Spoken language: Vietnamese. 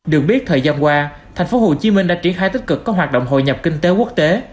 được biết thời gian qua thành phố hồ chí minh đã triển khai tích cực các hoạt động hội nhập kinh tế quốc tế